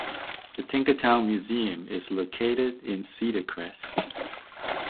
The Tinkertown Museum is located in Cedar Crest.